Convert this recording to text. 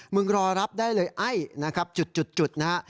รอรับได้เลยไอ้นะครับจุดนะฮะ